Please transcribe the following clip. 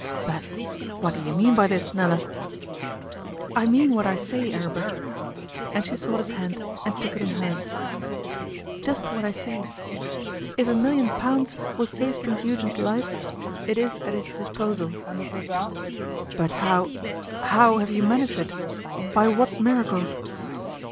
'But what do you mean by this, Nella?' 'I mean what I say, Aribert,' and she sought his hand and took it in hers. 'Just what I say. If a million pounds will save Prince Eugen's life, it is at his disposal.' 'But how how have you managed it? By what miracle?